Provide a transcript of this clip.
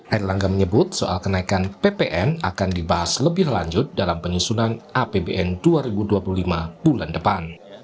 air langga menyebut soal kenaikan ppn akan dibahas lebih lanjut dalam penyusunan apbn dua ribu dua puluh lima bulan depan